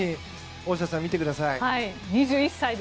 大下さん、見てください。